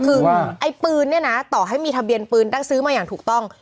คือไอ้ปืนเนี่ยนะต่อให้มีทะเบียนปืนตั้งซื้อมาอย่างถูกต้อง